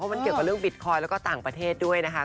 มันเกี่ยวกับเรื่องบิตคอยนแล้วก็ต่างประเทศด้วยนะคะ